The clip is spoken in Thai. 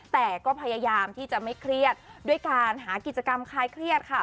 แต่ก็พยายามที่จะไม่เครียดด้วยการหากิจกรรมคลายเครียดค่ะ